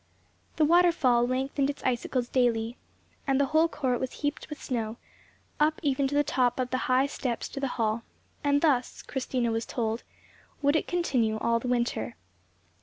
The waterfall lengthened its icicles daily, and the whole court was heaped with snow, up even to the top of the high steps to the hall; and thus, Christina was told, would it continue all the winter.